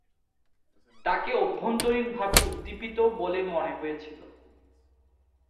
তাকে অভ্যন্তরীণভাবে উদ্দীপিত বলে মনে হয়েছিল।